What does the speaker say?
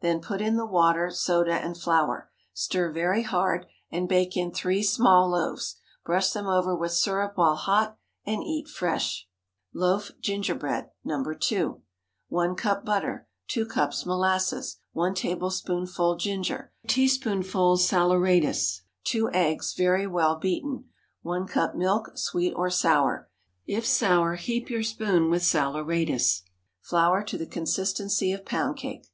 Then put in the water, soda, and flour. Stir very hard, and bake in three small loaves. Brush them over with syrup while hot, and eat fresh. LOAF GINGERBREAD (No. 2.) 1 cup butter. 2 cups molasses. 1 tablespoonful ginger. 2 eggs, very well beaten. 1 teaspoonful saleratus. 1 cup milk, sweet or sour. If sour, heap your spoon with saleratus. Flour to the consistency of pound cake.